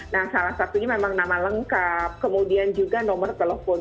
nah salah satunya memang nama lengkap kemudian juga nomor telepon